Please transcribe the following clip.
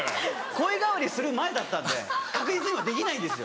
声変わりする前だったんで確実に今できないんですよ。